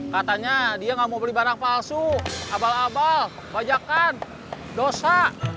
katanya dia nggak mau beli barang palsu abal abal bajakan dosa